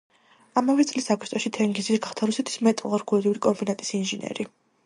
ამავე წლის აგვისტოში თენგიზი გახდა რუსთავის მეტალურგიული კომბინატის ინჟინერი.